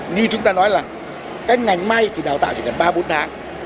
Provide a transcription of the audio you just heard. như chúng ta nói là cái ngành may thì đào tạo chỉ cần ba bốn tháng